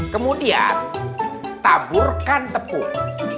kemudian taburkan tepung